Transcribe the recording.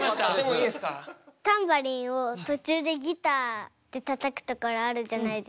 タンバリンを途中でギターでたたくところあるじゃないですか。